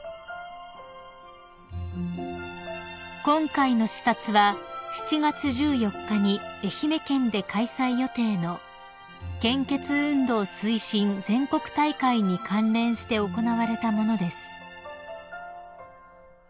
［今回の視察は７月１４日に愛媛県で開催予定の献血運動推進全国大会に関連して行われたものです］